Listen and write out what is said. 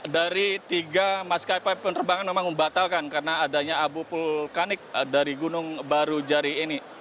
dari tiga maskapai penerbangan memang membatalkan karena adanya abu vulkanik dari gunung baru jari ini